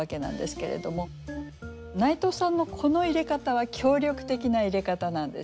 内藤さんのこの入れ方は協力的な入れ方なんですよね。